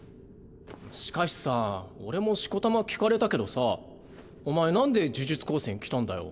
しかしさ俺もしこたま聞かれたけどさお前なんで呪術高専来たんだよ？